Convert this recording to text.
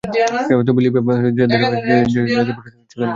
তবে লিবিয়া থেকে যাঁদের ভিসা এসেছে, তাঁরা বর্তমান পরিস্থিতিতেও সেখানে যেতে চান।